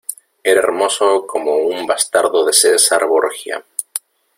era hermoso como un bastardo de César Borgia.